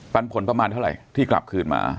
ปันผลประมาณเท่าไหร่ที่กลับคืนมา